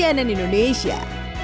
tim liputan cnn indonesia